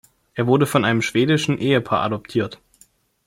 Er wurde von einem schwedischen Ehepaar adoptiert.